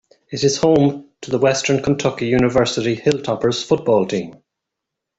It is home to the Western Kentucky University Hilltoppers football team.